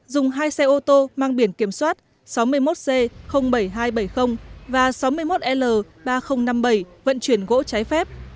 dùng hai xe ô tô mang biển kiểm soát sáu mươi một c bảy nghìn hai trăm bảy mươi và sáu mươi một l ba nghìn năm mươi bảy vận chuyển gỗ trái phép